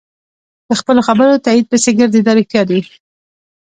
د خپلو خبرو تایید پسې ګرځي دا رښتیا دي.